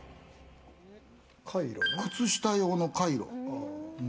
靴下用のカイロ。